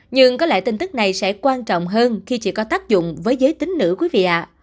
nhưng có lẽ tin tức này sẽ quan trọng hơn khi chỉ có tác dụng với giới tính nữ quý vị